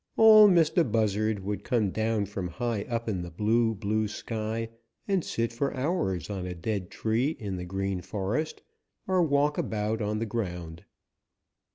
Ol' Mistah Buzzard would come down from high up in the blue, blue sky and sit for hours on a dead tree in the Green Forest or walk about on the ground.